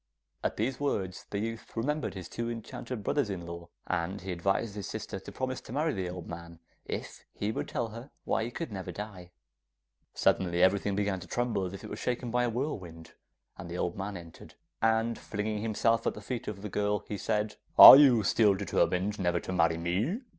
At these words the youth remembered his two enchanted brothers in law, and he advised his sister to promise to marry the old man, if he would tell her why he could never die. Suddenly everything began to tremble, as if it was shaken by a whirlwind, and the old man entered, and flinging himself at the feet of the girl, he said: 'Are you still determined never to marry me?